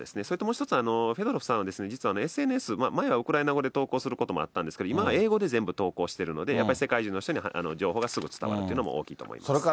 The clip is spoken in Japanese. それともう一つ、フェドロフさんは、実はＳＮＳ、前はウクライナ語で投稿することもあったんですけど、今は英語で全部投稿しているので、やっぱり世界中の人に情報がすぐ伝わるというのも大きいと思います。